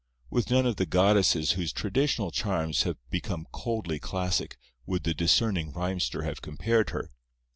With none of the goddesses whose traditional charms have become coldly classic would the discerning rhymester have compared her.